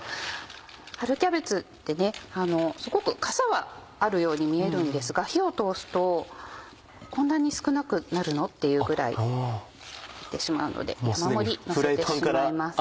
春キャベツってねすごくカサはあるように見えるんですが火を通すとこんなに少なくなるのっていうぐらいになってしまうので山盛りのせてしまいます。